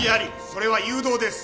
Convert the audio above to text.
それは誘導です。